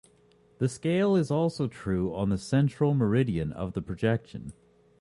The scale is also true on the central meridian of the projection.